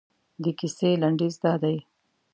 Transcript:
د کیسې لنډیز دادی.